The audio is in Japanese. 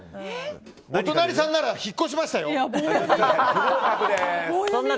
お隣さんなら引っ越しましたよ。